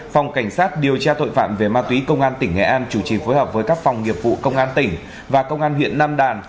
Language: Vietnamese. phòng cảnh sát điều tra tội phạm về ma túy công an tỉnh nghệ an chủ trì phối hợp với các phòng nghiệp vụ công an tỉnh và công an huyện nam đàn